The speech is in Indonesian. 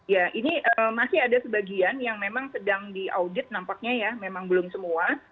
ya ini masih ada sebagian yang memang sedang diaudit nampaknya ya memang belum semua